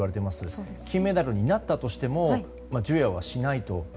もし金メダルになったとしても授与はしないと。